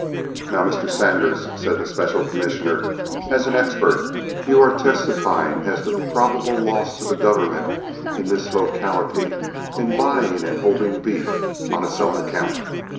"Now, Mr. Sanders," said the special commissioner, "as an expert, you are testifying as to the probable loss to the government in this locality in buying and holding beef on its own account.